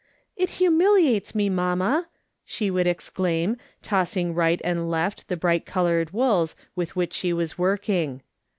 " It humiliates me, mamma !" she would exclaim, tossing right and left the Lriglit coloured wools with which she was working.